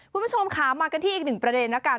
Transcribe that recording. คุณผู้ชมค่ะมากันที่อีกหนึ่งประเด็นแล้วกัน